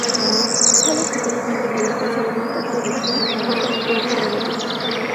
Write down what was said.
Caulder posteriormente colocó el cerebro intacto de Cliff en un cuerpo robótico.